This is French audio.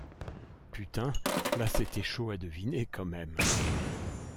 Putain là c’était chaud à deviner, quand même. ..